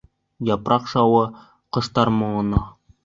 Япраҡ шауы, ҡоштар моңона.